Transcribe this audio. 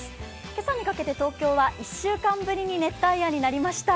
今朝にかけて東京は１週間ぶりに熱帯夜になりました。